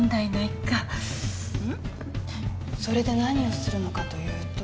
それで何をするのかというと